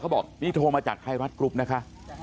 บอกนี่โทรมาจากไทยรัฐกรุ๊ปนะคะ